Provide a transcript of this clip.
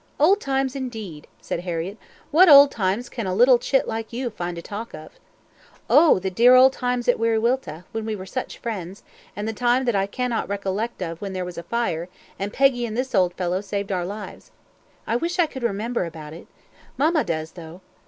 "Old times, indeed," said Harriett; "what old times can a little chit like you find to talk of?" "Oh, the dear old times at Wiriwilta, when we were such friends; and, the time that I cannot recollect of when there was the fire, and Peggy and this old fellow saved our lives. I wish I could remember about it mamma does, though."